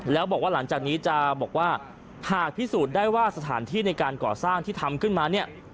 แล้วบอกว่าหลังจากนี้จะบอกว่าหากพิสูจน์ได้ว่าสถานที่ในการก่อสร้างที่ทำขึ้นมาเนี่ย